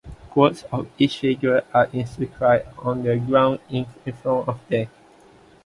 Quotes of each figure are inscribed on the ground in front of them.